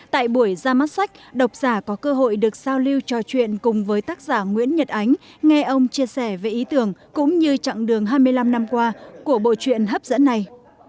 tại buổi ra mắt sách độc giả có cơ hội được giao lưu trò chuyện cùng với tác giả nguyễn nhật ánh nghe ông chia sẻ về ý tưởng cũng như chặng đường hai mươi năm năm qua của bộ chuyện hấp dẫn này